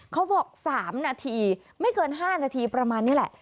เขาบอก๓นาทีไม่เกิน๕นาทีประมาณนี้แหละ